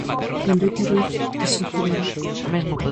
Enrique Ruiz Esocudero.